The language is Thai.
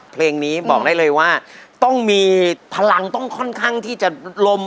เพลงนี้บอกได้เลยว่าต้องมีพลังต้องค่อนข้างที่จะลม